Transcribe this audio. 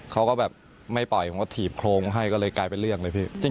เขาก็แบบไม่ปล่อยผมก็ถีบโครงให้ก็เลยกลายเป็นเรื่องเลยพี่